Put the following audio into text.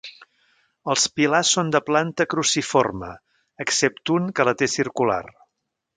Els pilars són de planta cruciforme, excepte un que la té circular.